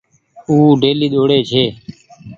او ڊيلي ۮوڙي ڇي۔